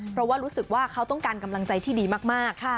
เพราะว่ารู้สึกว่าเขาต้องการกำลังใจที่ดีมาก